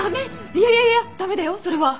いやいやいや駄目だよそれは！